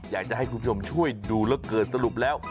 อยากจะให้คุณผู้ชมช่วยดูเหลือเกินสรุปแล้ว